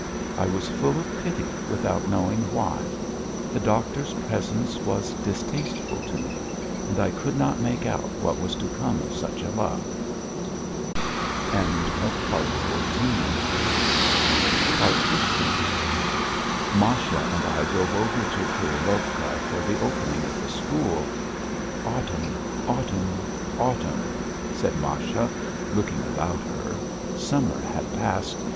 I was full of pity without knowing why; the doctor's presence was distasteful to me and I could not make out what was to come of such a love. XV Masha and I drove over to Kurilovka for the opening of the school. "Autumn, autumn, autumn...." said Masha, looking about her. Summer had passed.